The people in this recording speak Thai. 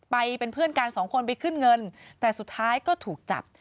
ไปเป็นเพื่อนกันสองคนไปขึ้นเงินแต่สุดท้ายก็ถูกจับ